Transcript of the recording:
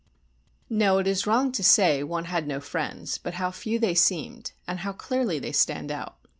No, it is wrong to say one had no friends, but how few they seemed and how clearly they stand out!